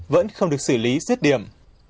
vẫn không được xử lý giết điểm